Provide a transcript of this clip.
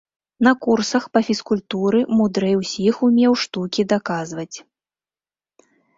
На курсах па фізкультуры мудрэй усіх умеў штукі даказваць.